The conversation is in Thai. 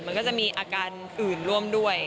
มันก็จะมีอาการอื่นร่วมด้วย